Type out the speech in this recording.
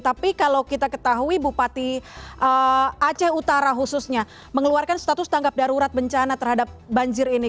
tapi kalau kita ketahui bupati aceh utara khususnya mengeluarkan status tanggap darurat bencana terhadap banjir ini